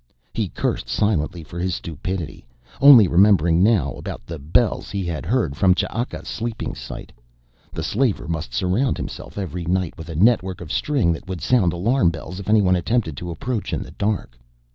He cursed silently for his stupidity, only remembering now about the bells he had heard from Ch'aka's sleeping site. The slaver must surround himself every night with a network of string that would sound alarm bells if anyone attempted to approach in the dark.